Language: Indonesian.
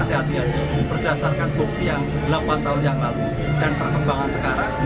berdasarkan bukti yang delapan tahun yang lalu dan perkembangan sekarang